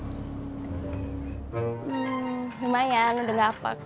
hmm lumayan udah gak apa